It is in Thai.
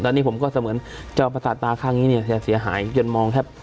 ตอนนี้ผมก็เสมือนจอมประสาทตาข้างนี้เนี่ยจะเสียหายจนมองแทบ